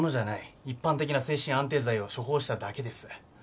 一般的な精神安定剤を処方しただけです。